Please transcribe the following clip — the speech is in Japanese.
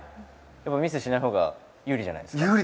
ミスをしないほうが有利じゃないですか。